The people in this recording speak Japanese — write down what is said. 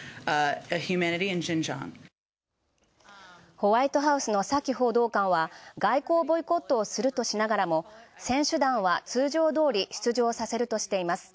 ホワイトハウスのサキ報道官は、外交ボイコットをするとしながらも、選手団は通常通り出場させるとしています。